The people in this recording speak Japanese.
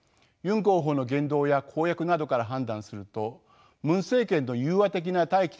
ユン候補の言動や公約などから判断するとムン政権の宥和的な対